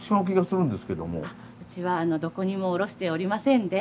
うちはどこにも卸しておりませんで